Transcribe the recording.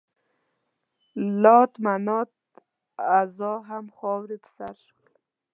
لات، منات، عزا همه خاورې په سر شول.